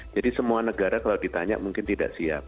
jadi semua negara kalau ditanya mungkin tidak siap